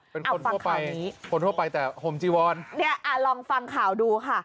เป็นคนพว่าไปคนทั่วไปแต่โทรภัยเนี้ยอ่ะลองฟังข่าวดูค่ะ